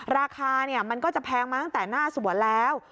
ราคามันก็จะแพงมาตั้งแต่หน้าสวนแล้ว